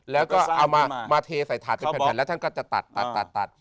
แล้วก็เอามาเทใส่ถาดเป็นแผ่นแล้วท่านก็จะตัด